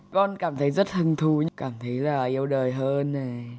con cảm thấy rất hứng thú cảm thấy là yêu đời hơn này